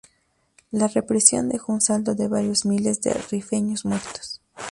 La represión dejó un saldo de varios miles de rifeños muertos.